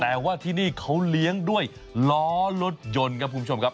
แต่ว่าที่นี่เขาเลี้ยงด้วยล้อรถยนต์ครับคุณผู้ชมครับ